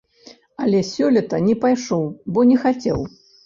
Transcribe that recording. Але сёлета не пайшоў, бо не хацеў.